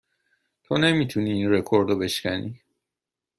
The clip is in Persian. تو نمی توانی این رکورد را بشکنی.